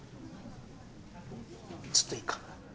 ちょっといいか？